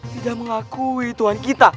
tidak mengakui tuhan kita